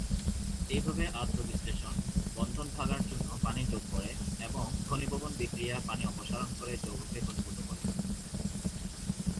এইভাবে আর্দ্র বিশ্লেষণ, বন্ধন ভাঙার জন্য পানি যোগ করে এবং ঘনীভবন বিক্রিয়া পানি অপসারণ করে যৌগকে ঘনীভূত করে।